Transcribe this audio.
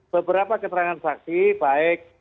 beberapa keterangan saksi baik